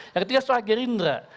yang ketiga swadik greendrag